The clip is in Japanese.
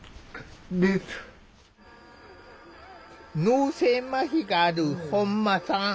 脳性まひがある本間さん。